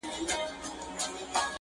هره شمع یې ژړیږي کابل راسي-